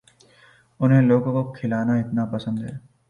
انھیں لوگوں کو کھلانا اتنا پسند ہے